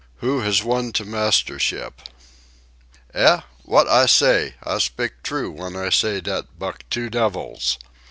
Who Has Won to Mastership "Eh? Wot I say? I spik true w'en I say dat Buck two devils."